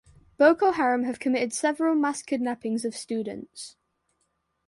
Boko Haram have committed several mass kidnappings of students.